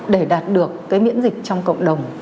để đạt được cái miễn dịch trong cộng đồng